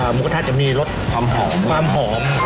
หมูกระทะจะมีรสความหอม